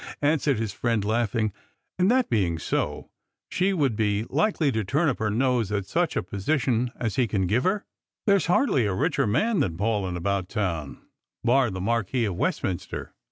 "' an Bwared his friend, laughing ;" and that, being so, she would be likely to turn up her nose at such a position as he can give her ? There's hardly a richer man than Paulyn about town — bar tha Marquis of Westminster.